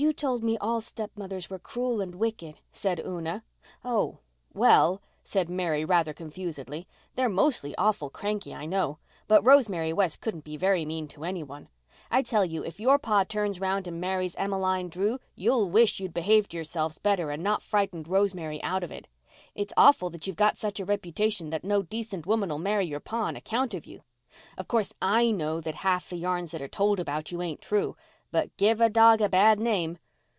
"You told me all stepmothers were cruel and wicked," said Una. "Oh—well," said Mary rather confusedly, "they're mostly awful cranky, I know. But Rosemary West couldn't be very mean to any one. I tell you if your pa turns round and marries Emmeline Drew you'll wish you'd behaved yourselves better and not frightened Rosemary out of it. It's awful that you've got such a reputation that no decent woman'll marry your pa on account of you. Of course, I know that half the yarns that are told about you ain't true. But give a dog a bad name.